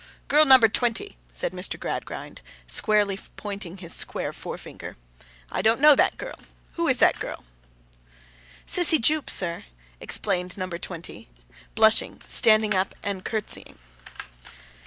'Girl number twenty,' said Mr. Gradgrind, squarely pointing with his square forefinger, 'I don't know that girl. Who is that girl?' 'Sissy Jupe, sir,' explained number twenty, blushing, standing up, and curtseying.